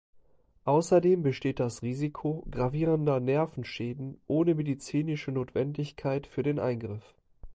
Außerdem besteht das Risiko gravierender Nervenschäden ohne medizinische Notwendigkeit für den Eingriff.